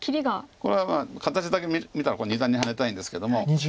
これは形だけ見たら二段にハネたいんですけども。